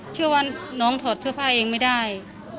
เชื่อว่าน้องถอดเสื้อผ้าเองไม่ได้